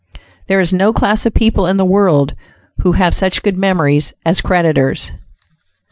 There is no class of people in the world, who have such good memories as creditors.